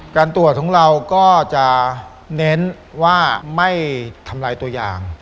การตรวจของเราก็จะเน้นว่าไม่ทำลายตัวอย่าง